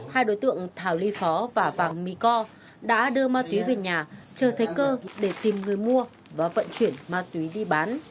hai đối tượng thảo ly phó và vàng mi co đã đưa ma túy về nhà chờ thấy cơ để tìm người mua và vận chuyển ma túy đi bán